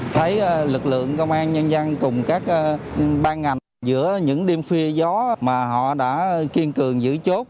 thấy lực lượng công an nhân dân cùng các ban ngành giữa những đêm khuya gió mà họ đã kiên cường giữ chốt